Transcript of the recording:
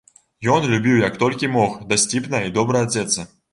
Ён любіў як толькі мог дасціпна і добра адзецца.